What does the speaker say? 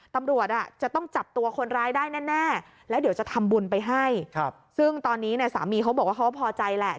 ตำรวจจะต้องจับตัวคนร้ายได้แน่แล้วเดี๋ยวจะทำบุญไปให้ซึ่งตอนนี้เนี่ยสามีเขาบอกว่าเขาก็พอใจแหละ